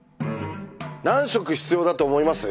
何色必要だと思います？